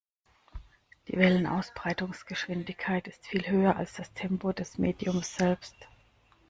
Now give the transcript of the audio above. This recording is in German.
Die Wellenausbreitungsgeschwindigkeit ist viel höher als das Tempo des Mediums selbst.